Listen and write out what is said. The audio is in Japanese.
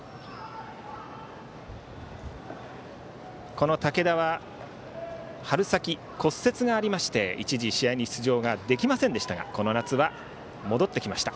この武田は春先骨折がありまして一時、試合に出場ができませんでしたがこの夏は戻ってきました。